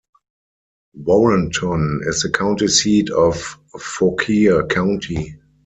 Warrenton is the county seat of Fauquier County.